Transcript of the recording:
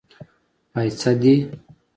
پايڅۀ دې.